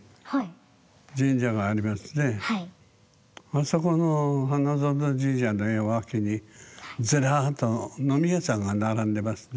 あそこの花園神社の脇にずらっと飲み屋さんが並んでますね。